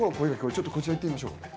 ちょっと行ってみましょう。